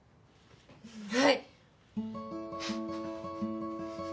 はい！